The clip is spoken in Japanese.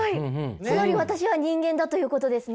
つまり私は人間だということですね。